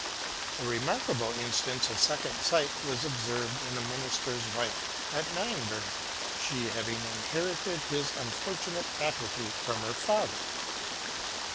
A remarkable instance of second sight was ob served in a minister's wife, at Nienberg, she having inherited this unfortunate faculty from her father.